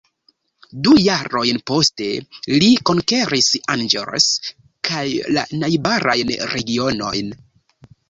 Du jarojn poste, li konkeris Angers kaj la najbarajn regionojn.